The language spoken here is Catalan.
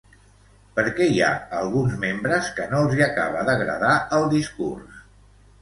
Per què hi ha alguns membres que no els hi acaba d'agradar el discurs?